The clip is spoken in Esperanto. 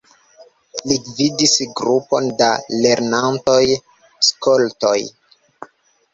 Li gvidis grupon da lernantoj-skoltoj.